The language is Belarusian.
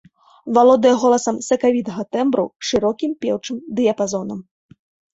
Валодае голасам сакавітага тэмбру, шырокім пеўчым дыяпазонам.